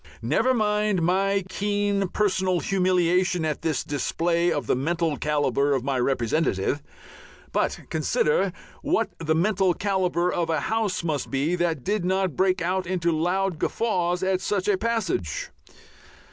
Never mind my keen personal humiliation at this display of the mental calibre of my representative, but consider what the mental calibre of a House must be that did not break out into loud guffaws at such a passage.